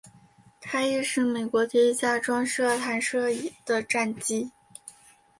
它亦是美国第一架装设弹射椅的战机。